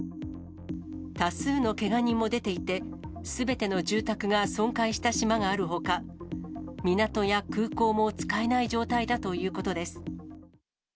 多数のけが人も出ていて、すべての住宅が損壊した島があるほか、港や空港も使えない状態だということです。